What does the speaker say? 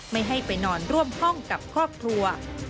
ไม่ให้ไปนอนร่วมห้องกับครอบครัว